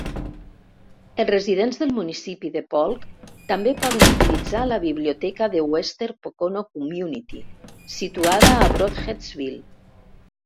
Els residents del municipi de Polk també poden utilitzar la biblioteca de Western Pocono Community, situada a Brodheadsville.